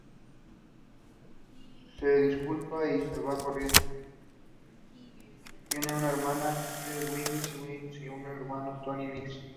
Tiene una hermana, Hilary Mills Loomis, y un hermano, Tony Mills.